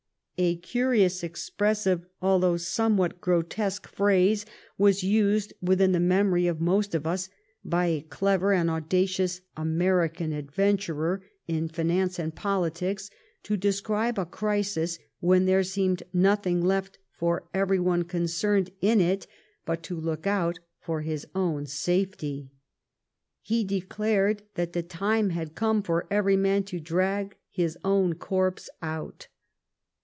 A curiously expressive, although somewhat gro tesque, phrase was used within the memory of most of us by a clever and audacious American adventurer in finance and politics, to describe a crisis when there seemed nothing left for every one concerned in it but to look out for his own safety. He declared that the time had come for every man to drag his own corpse out.